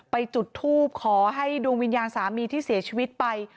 จุดทูบขอให้ดวงวิญญาณสามีที่เสียชีวิตไป